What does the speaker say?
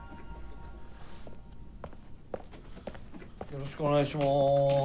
よろしくお願いします。